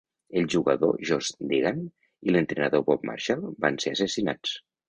El jugador Josh Deegan i l'entrenador Bob Marshall van ser assassinats.